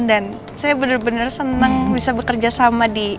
dan saya benar benar senang bisa bekerja sama di